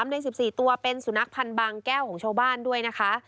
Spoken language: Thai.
ใน๑๔ตัวเป็นสุนัขพันธ์บางแก้วของชาวบ้านด้วยนะคะ